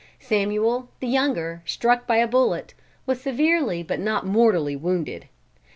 Samuel, the younger, struck by a bullet, was severely but not mortally wounded.